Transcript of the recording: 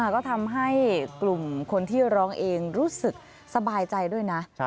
ก็ทำให้กลุ่มคนที่ร้องเองรู้สึกสบายใจด้วยนะ